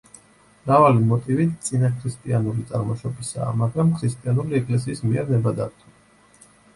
მრავალი მოტივი წინაქრისტიანული წარმოშობისაა, მაგრამ ქრისტიანული ეკლესიის მიერ ნებადართული.